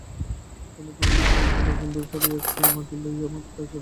তাই কালীপদ মুখ অত্যন্ত গম্ভীর করিয়া একটা কাঠি লইয়া মাটিতে আঁচড় কাটিতে লাগিল।